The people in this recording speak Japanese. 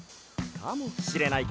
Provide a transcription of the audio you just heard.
かもしれない